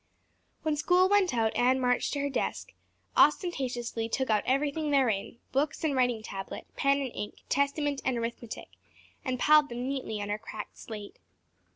When school went out Anne marched to her desk, ostentatiously took out everything therein, books and writing tablet, pen and ink, testament and arithmetic, and piled them neatly on her cracked slate.